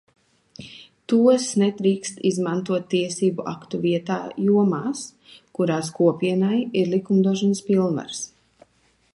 Tos nedrīkst izmantot tiesību aktu vietā jomās, kurās Kopienai ir likumdošanas pilnvaras.